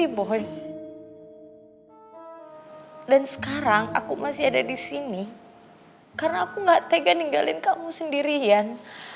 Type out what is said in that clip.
kikung boy dan sekarang aku masih ada di sini karena aku enggak tega ninggalin kamu sendirian